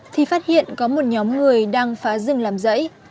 thì phát hiện có một nhóm người đang phá rừng làm rẫy